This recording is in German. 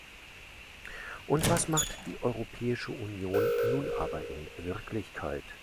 Und was macht die Europäische Union nun aber in Wirklichkeit?